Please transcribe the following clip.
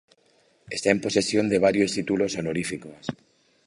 Está en posesión de varios títulos honoríficos.